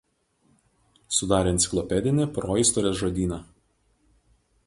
Sudarė „Enciklopedinį proistorės žodyną“.